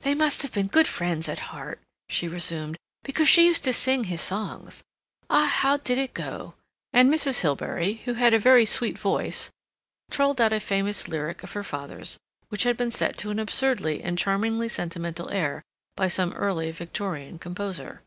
"They must have been good friends at heart," she resumed, "because she used to sing his songs. Ah, how did it go?" and Mrs. Hilbery, who had a very sweet voice, trolled out a famous lyric of her father's which had been set to an absurdly and charmingly sentimental air by some early Victorian composer.